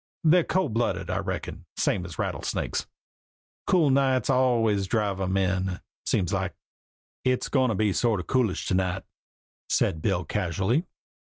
They're cold blooded, I reckin, same as rattlesnakes. Cool nights always do drive 'em in, seems like." "It's going to be sort of coolish to night," said Bill casually.